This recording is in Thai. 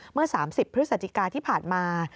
เมื่อ๓๐พฤศจิกาที่ผ่านมา